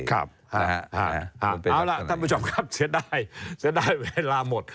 เอาล่ะท่านผู้ชมครับเสียดายเสียดายเวลาหมด